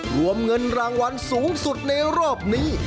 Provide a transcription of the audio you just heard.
รวมเงินรางวัลสูงสุดในรอบนี้